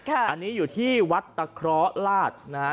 อันนี้อยู่ที่วัดตะเคราะหลาดนะฮะ